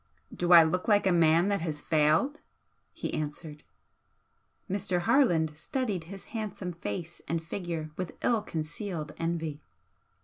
"Do I look like a man that has failed?" he answered. Mr. Harland studied his handsome face and figure with ill concealed envy.